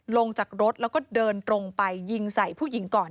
ลงจากรถแล้วก็เดินตรงไปยิงใส่ผู้หญิงก่อน